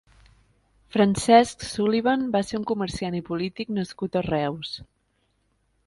Francesc Sullivan va ser un comerciant i polític nascut a Reus.